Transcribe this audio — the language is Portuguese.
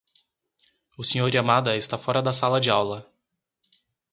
O Sr. Yamada está fora da sala de aula.